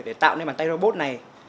để tạo nên bàn tay robot này